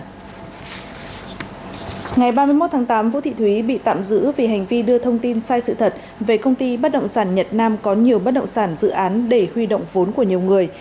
ngày ba mươi một tháng tám vũ thị thúy bị tạm giữ vì hành vi đưa thông tin sai sự thật về công ty bất động sản nhật nam có nhiều bất động sản dự án để huy động vốn của nhiều người